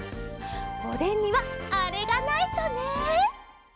おでんにはあれがないとね。